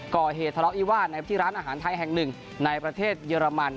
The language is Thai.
ก่อเหตุทะเลาะวิวาสที่ร้านอาหารไทยแห่งหนึ่งในประเทศเยอรมัน